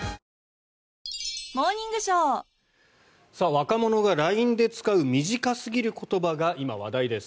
若者がＬＩＮＥで使う短すぎる言葉が今、話題です。